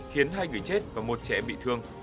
khiến hai người chết và một trẻ bị thương